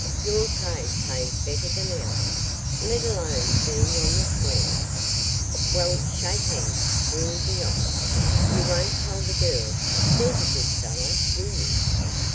Your trade pays better than ours, let alone being on the square. Well, shake hands; we'll be off. You won't tell the girls, there's a good fellow, will you?'